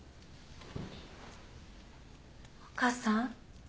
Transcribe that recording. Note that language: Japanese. お母さん。